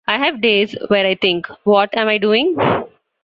I have days where I think, 'What am I doing?